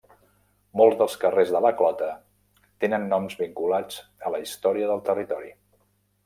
Molts dels carrers de la Clota tenen noms vinculats a la història del territori.